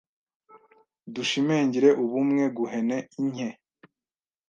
bishimengire ubumwe Guhene inke,